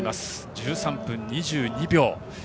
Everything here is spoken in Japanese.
１３分２２秒。